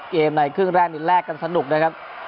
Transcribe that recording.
เกมในเครื่องแรกนิดแรกกันสนุกนะครับ